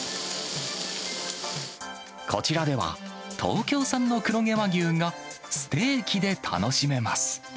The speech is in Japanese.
こちらでは、東京産の黒毛和牛がステーキで楽しめます。